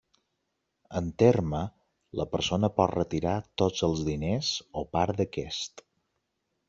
En terme, la persona pot retirar tots els diners o part d'aquest.